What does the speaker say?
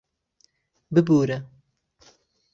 ببوورە...